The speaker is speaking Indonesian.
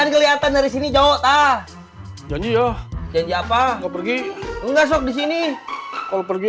kelihatan dari sini jauh jajah janji apa nggak pergi nggak sok di sini kalau pergi